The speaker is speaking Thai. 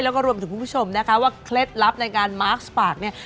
แล้วก็รวมถึงคุณผู้ชมนะคะว่าเคล็ดลับในการมาร์คสปากเนี่ย